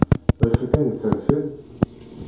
Ɣef akken i terfiḍ?